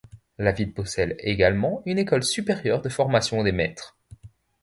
La ville possède également une école supérieure de formation des maîtres.